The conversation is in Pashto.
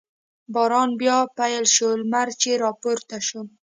باران بیا پیل شو، لمر چې را پورته شو.